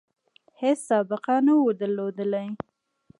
هیڅ سابقه نه وه درلودلې.